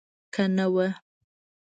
که نه وه.